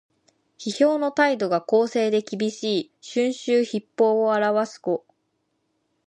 批評の態度が公正できびしい「春秋筆法」を表す語。